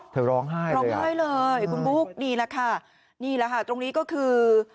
เธอร้องไห้เลยคุณบุ๊คนี่แหละค่ะตรงนี้ก็คือ